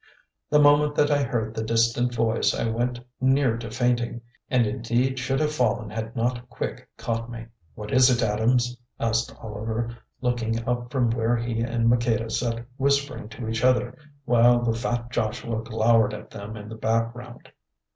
The moment that I heard the distant voice I went near to fainting, and indeed should have fallen had not Quick caught me. "What is it, Adams?" asked Oliver, looking up from where he and Maqueda sat whispering to each other while the fat Joshua glowered at them in the background.